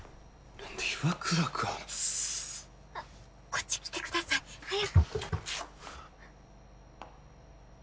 こっち来てください早く。